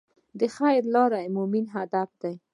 د خیر لاره د مؤمن هدف دی.